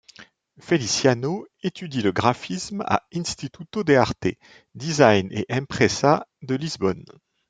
Feliciano étudie le graphisme à Instituto de Arte, Design e Empresa de Lisbonne.